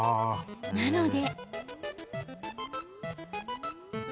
なので。